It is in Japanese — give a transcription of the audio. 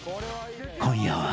［今夜は］